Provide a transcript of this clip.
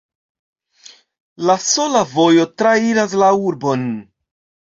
La sola vojo trairas la urbon.